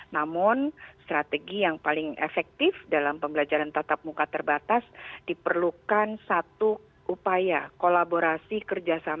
namun strategi yang paling efektif dalam pembelajaran tatap muka terbatas diperlukan satu upaya kolaborasi kerjasama